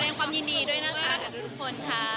แสดงความยินดีด้วยนะคะกับทุกคนค่ะ